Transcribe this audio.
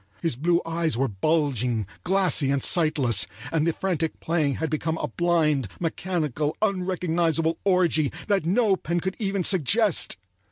His blue eyes were bulging, glassy and sightless, and the frantic playing had become a blind, mechanical, unrecognizable orgy that no pen could even suggest.